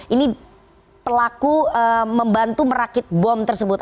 ini pelaku membantu merakit bom tersebut